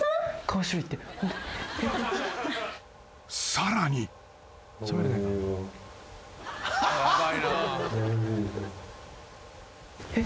［さらに］えっ？